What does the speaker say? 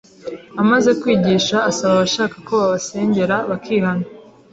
amaze kwigisha asaba abashaka ko babasengera bakihana.